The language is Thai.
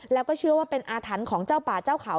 แล้วก็เชื่อว่าเป็นอาถรรพ์ของเจ้าป่าเจ้าเขา